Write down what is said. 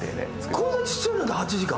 こんなにちっちゃいので８時間？